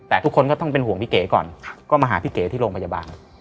แต่ทุกคนก็ต้องเป็นห่วงพี่เก๋ก่อนก็มาหาพี่เก๋ที่โรงพยาบาล